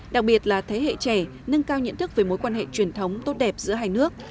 đặc biệt là thế hệ trẻ nâng cao nhận thức về mối quan hệ truyền thống tốt đẹp giữa hai nước